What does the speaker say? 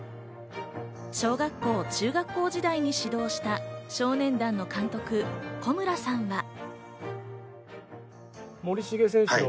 小学校、中学校時代に指導した少年団の監督・小村さんは。